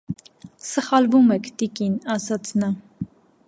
- Սխալվում եք, տիկին,- ասաց նա: